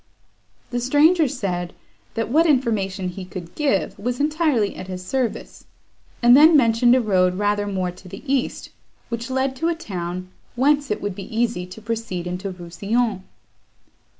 The stranger said, that what information he could give was entirely at his service; and then mentioned a road rather more to the east, which led to a town, whence it would be easy to proceed into Rousillon.